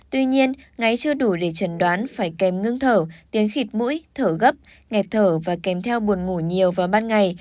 tuy nhiên ngáy chưa đủ để trần đoán phải kèm ngưng thở tiếng khịt mũi thở gấp nghẹt thở và kèm theo buồn ngủ nhiều vào ban ngày